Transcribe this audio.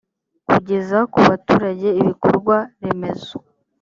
kugeza ku baturage ibikorwa remezo